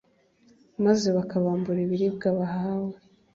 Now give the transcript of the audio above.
maze bakabambura ibiribwa bahawe.